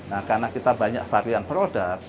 nah karena kita banyak varian produk